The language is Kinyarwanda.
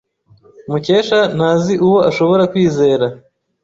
Mukesha ntazi uwo ashobora kwizera.